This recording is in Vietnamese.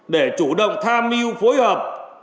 để chủ động tham mưu phối hợp